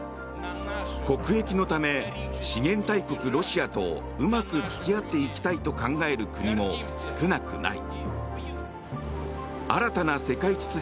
国益のため、資源大国ロシアとうまく付き合っていきたいと考える国も少なくない。